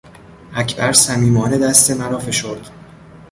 اکبر صمیمانه دست مرا فشرد.